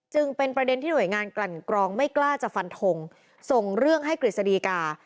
จึงเป็นประเด็นที่หน่วยงานกลั่นกรองไม่กล้าจะฟันทงส่งเรื่องให้กฤษฎีกา